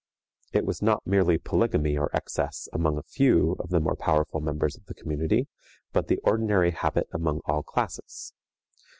It was not merely polygamy or excess among a few of the more powerful members of the community, but the ordinary habit among all classes.